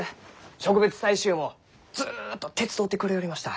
植物採集もずっと手伝うてくれよりました。